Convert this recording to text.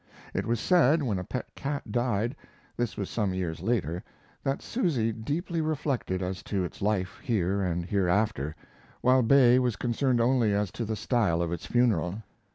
It was said, when a pet cat died this was some years later that Susy deeply reflected as to its life here and hereafter, while Bay was concerned only as to the style of its funeral.